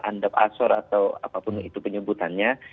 anda staf atau apapun itu penyebutannya